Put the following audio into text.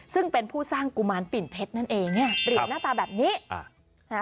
ซึ่งเป็นผู้สร้างกุมารปิ่นเพชรนั่นเองเนี่ยเปลี่ยนหน้าตาแบบนี้อ่าฮะ